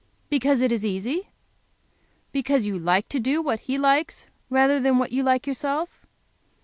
Because it is easy? Because you like to do what He likes rather than what you like yourself?"